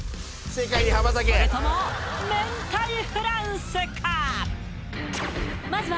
それとも明太フランスか？